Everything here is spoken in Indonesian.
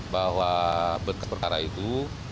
bahwa berkas perkara itu